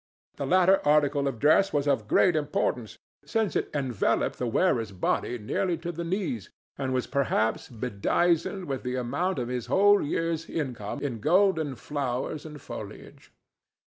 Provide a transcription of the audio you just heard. The latter article of dress was of great importance, since it enveloped the wearer's body nearly to the knees and was perhaps bedizened with the amount of his whole year's income in golden flowers and foliage.